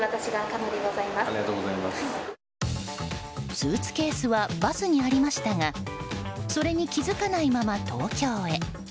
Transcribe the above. スーツケースはバスにありましたがそれに気づかないまま東京へ。